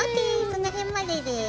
その辺までです。